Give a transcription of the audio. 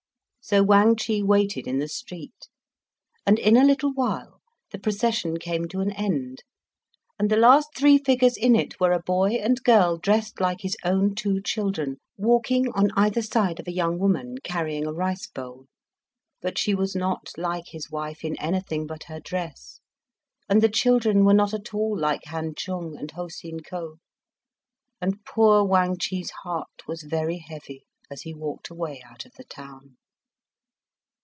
So Wang Chih waited in the street; and in a little while the procession came to an end; and the last three figures in it were a boy and a girl, dressed like his own two children, walking on either side of a young woman carrying a rice bowl. But she was not like his wife in anything but her dress, and the children were not at all like Han Chung and Ho Seen Ko; and poor Wang Chih's heart was very heavy as he walked away out of the town.